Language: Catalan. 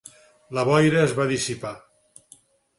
La boira es va dissipar.